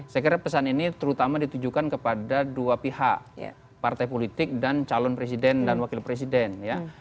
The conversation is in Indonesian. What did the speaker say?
saya kira pesan ini terutama ditujukan kepada dua pihak partai politik dan calon presiden dan wakil presiden ya